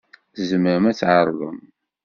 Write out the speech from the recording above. Tzemrem ad tɛerḍem?